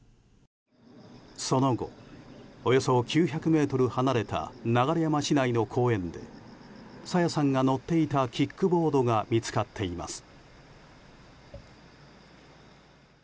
その後、およそ９００ｍ離れた流山市内の公園で朝芽さんが乗っていたキックボードが見つかっています。